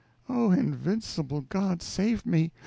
Oh, invincible God, save me!